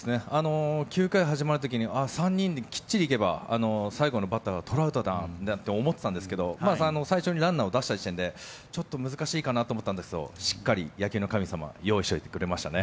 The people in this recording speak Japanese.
９回始まる時に３人きっちり行けば最後のバッターはトラウトだなんて思ってたんですが最初にランナーを出した時点でちょっと難しいかなと思ったんですがしっかり野球の神様は用意しておいてくれましたね。